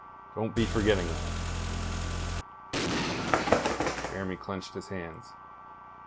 Don't be forgetting that." Jeremy clenched his hands.